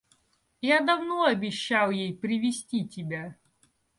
Я давно обещал ей привезти тебя.